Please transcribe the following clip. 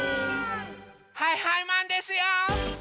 はいはいマンですよ！